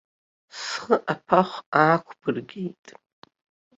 Схы аԥахә аақәбыргеит.